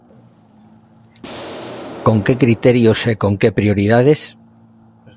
¿Con que criterios e con que prioridades?